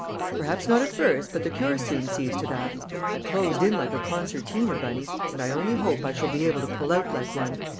"Perhaps not at first, but the cure soon sees to that! I closed in like a concertina, Bunny, and I only hope I shall be able to pull out like one.